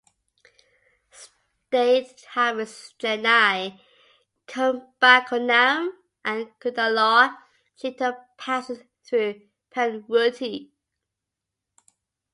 State highways Chennai-Kumbakonam and Cuddalore-Chittoor passes through Panruti.